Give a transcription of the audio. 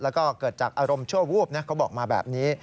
แล้วก็เกิดจากอารมณ์ชั่ววูบนะเขาบอกมาแบบนี้